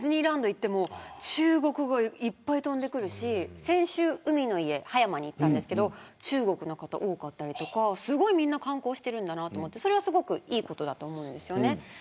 行っても中国語がいっぱい飛んでくるし先週、葉山の海の家に行ったんですけど中国の方が多かったりみんな観光してるんだなと思ってそれはすごくいいことだと思うんです。